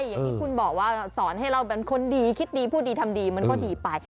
อย่างที่คุณบอกว่าสอนให้เราเป็นคนดีคิดดีพูดดีทำดีมันก็ดีไป